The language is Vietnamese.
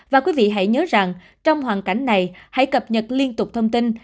và quý vị hãy nhớ rằng trong hoàn cảnh này hãy cập nhật liên tục thông tin